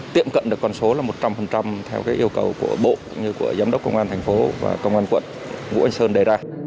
tiệm cận được con số là một trăm linh theo yêu cầu của bộ như của giám đốc công an thành phố và công an quận vũ anh sơn đề ra